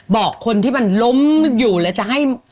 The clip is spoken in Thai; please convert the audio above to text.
บอกคนที่มันล้มอยู่แล้วจะให้